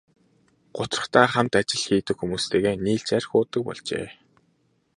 Гутрахдаа хамт ажил хийдэг хүмүүстэйгээ нийлж архи уудаг болжээ.